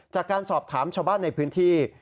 จากการสอบถามชาวบ้านในพื้นที่